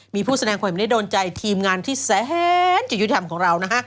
มีผู้แสดงความไม่ได้โดนใจทีมงานที่แสนจิยุธรรมของเรานะฮะ